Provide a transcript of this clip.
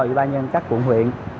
ủy ban nhân cấp quận huyện